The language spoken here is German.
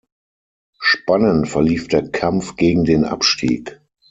Spannend verlief der Kampf gegen den Abstieg.